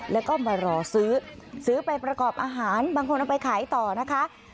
แล้วก็มารอซื้อซื้อไปประกอบอาหารบางคนเอาไปขายต่อนะคะ